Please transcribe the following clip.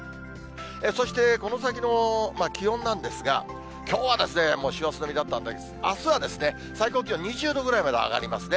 そして、この先の気温なんですが、きょうはもう師走並みだったんですが、あすは最高気温２０度ぐらいまで上がりますね。